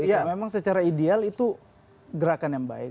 ya memang secara ideal itu gerakan yang baik